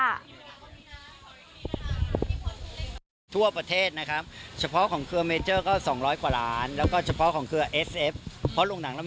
คาดมากเลยครับเพราะว่าที่แรกคิดว่าได้เจ็บสิบแปดสิบก็โอเคแล้ว